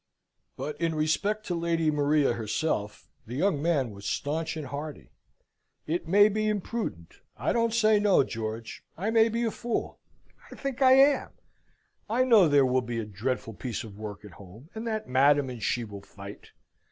But in respect to Lady Maria herself, the young man was staunch and hearty. "It may be imprudent: I don't say no, George. I may be a fool: I think I am. I know there will be a dreadful piece of work at home, and that Madam and she will fight.